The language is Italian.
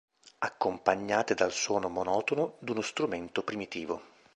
Accompagnate dal suono monotono d'uno strumento primitivo.